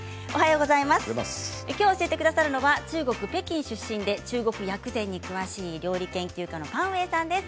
きょう教えてくださるのは中国北京出身で中国薬膳に詳しい料理研究家のパン・ウェイさんです。